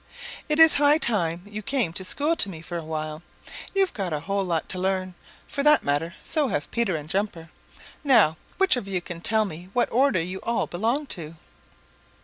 "It is high time you came to school to me for a while. You've got a lot to learn. For that matter, so have Peter and Jumper. Now which of you can tell me what order you all belong to?"